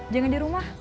jangan di rumah